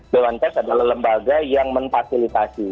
dewan pers adalah lembaga yang memfasilitasi